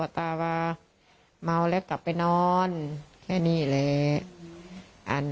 ตาว่าเมาแล้วกลับไปนอนแค่นี้แหละ